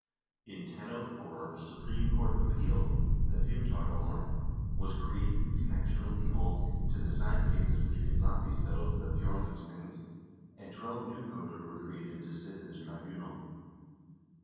In 1004 a supreme court of appeal, the fimtarddmr, was created in connection with the Althing to decide cases which could not be settled at the fjordungsthings, and twelve new goder were created to sit in this tribunal.